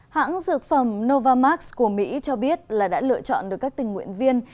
hãng dược phẩm novamax của mỹ cho biết là đã lựa chọn được các tình nguyện viên